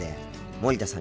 森田さん